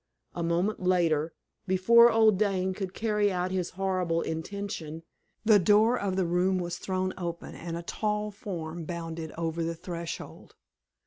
A moment later, before old Dane could carry out his horrible intention, the door of the room was thrown open, and a tall form bounded over the threshold.